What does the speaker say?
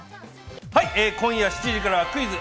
今夜７時からは『クイズ！